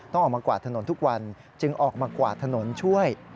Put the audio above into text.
ออกมากวาดถนนทุกวันจึงออกมากวาดถนนช่วย